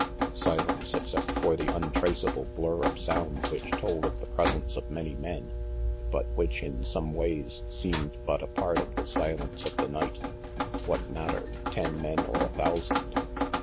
Silence, except for the untraceable blur of sound which told of the presence of many men, but which in some ways seemed but a part of the silence of the night. What matter, ten men or a thousand?